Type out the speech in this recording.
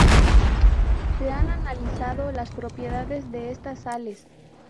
Se han analizado las propiedades de estas sales.